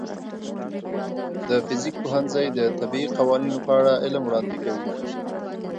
د فزیک پوهنځی د طبیعي قوانینو په اړه علم وړاندې کوي.